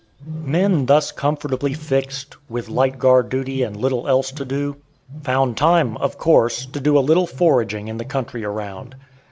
Men thus comfortably fixed, with light guard duty and little else to do, found time, of course, to do a little foraging in the country around.